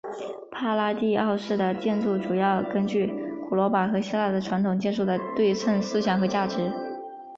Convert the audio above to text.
帕拉第奥式的建筑主要根据古罗马和希腊的传统建筑的对称思想和价值。